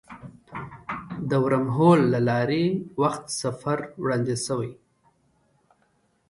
د ورم هول له لارې وخت سفر وړاندیز شوی.